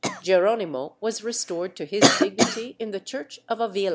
Geronimo was restored to his dignity in the church of Avil.